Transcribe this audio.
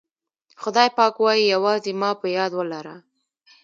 خدای پاک وایي یوازې ما په یاد ولره.